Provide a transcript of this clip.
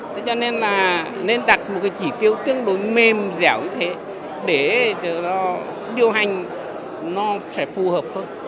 thế cho nên là nên đặt một cái chỉ tiêu tương đối mềm dẻo như thế để nó điều hành nó sẽ phù hợp hơn